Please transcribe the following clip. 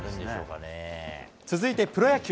続いて、プロ野球。